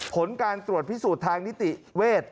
ผลการตรวจพิสูจน์ทางนิติเวทย์